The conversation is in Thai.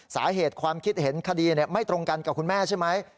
สาเหตุความคิดเห็นคดีไม่ตรงกันกับคุณแม่ใช่ไหม